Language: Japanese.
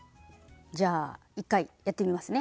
じゃあ一回やってみますね。